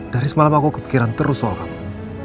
dari semalam aku kepikiran terus soal kamu